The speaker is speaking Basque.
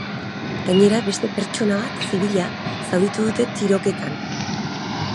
Gainera, beste pertsona bat, zibila, zauritu dute tiroketan.